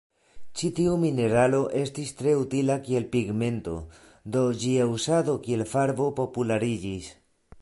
Ĉi tiu mineralo estis tre utila kiel pigmento, do ĝia uzado kiel farbo populariĝis.